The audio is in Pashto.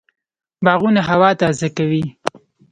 باغونه هوا تازه کوي